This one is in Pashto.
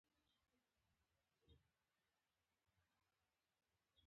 درد کله کله د وده پیل وي.